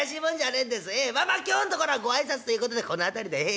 まあまあ今日んところはご挨拶ということでこの辺りでええ。